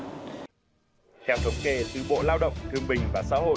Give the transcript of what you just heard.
theo chống kê từ bộ lao động thường bình và xã hội